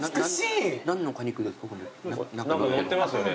何か載ってますよね。